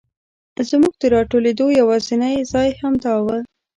زمونږ د راټولېدو یواځینی ځای همدا و.